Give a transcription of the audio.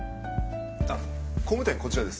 あっ工務店こちらです。